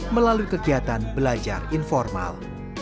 melalui kegiatan belajar informasi